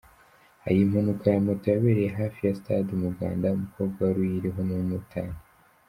hari impanuka ya moto yabereye hafi ya Stade Umuganda, umukobwa wari uyiriho numumotari.